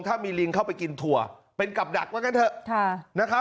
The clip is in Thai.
ถ้ามีลิงเข้าไปกินถั่วเป็นกับดักหวะกันเถอะ